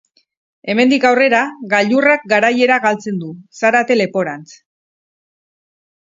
Hemendik aurrera, gailurrak garaiera galtzen du, Zarate leporantz.